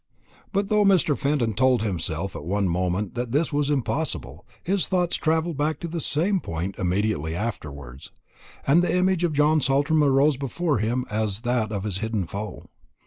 But though Mr. Fenton told himself at one moment that this was impossible, his thoughts travelled back to the same point immediately afterwards, and the image of John Saltram arose before him as that of his hidden foe.